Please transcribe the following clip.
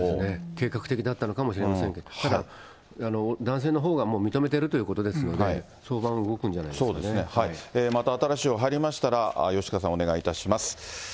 計画的だったのかもしれませんけれども、ただ、男性のほうがもう認めているということですので、早晩、そうですね、また新しい情報入りましたら、吉川さん、お願いいたします。